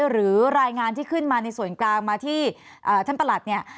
หรือรายงานที่ขึ้นมาในส่วนกลางมาที่ท่านประหลัดเนี่ย